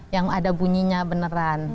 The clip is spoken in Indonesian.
yang ada bunyinya beneran